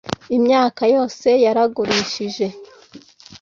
imyaka yose yaragurishije.